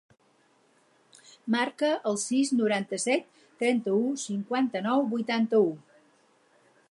Marca el sis, noranta-set, trenta-u, cinquanta-nou, vuitanta-u.